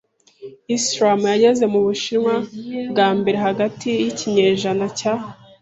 Islamu yageze mu Bushinwa bwa mbere hagati y'ikinyejana cya .